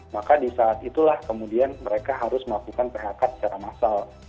maka di saat itulah kemudian mereka harus melakukan phk secara massal